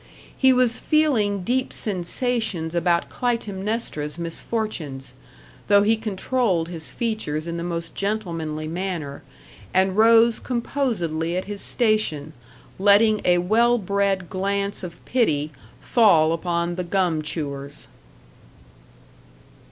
He was feeling deep sensations about Clytemnestra's misfortunes though he controlled his features in the most gentlemanly manner, and rose composedly at his station, letting a well bred glance of pity fall upon the gum chewers.